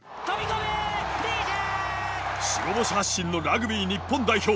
白星発進のラグビー日本代表